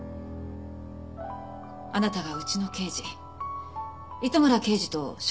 あなたがうちの刑事糸村刑事と食事をした日。